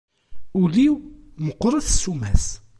Ul-iw meqqret ssuma-s.